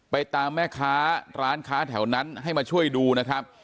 ไปตามแม่ค้าร้านค้าแถวนั้นให้มาช่วยดูนะครับ